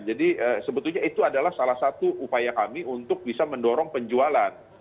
jadi sebetulnya itu adalah salah satu upaya kami untuk bisa mendorong penjualan